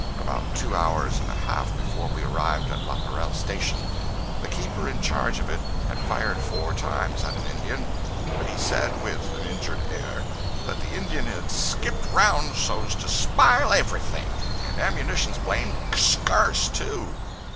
About two hours and a half before we arrived at Laparelle Station, the keeper in charge of it had fired four times at an Indian, but he said with an injured air that the Indian had "skipped around so's to spile everything—and ammunition's blamed skurse, too."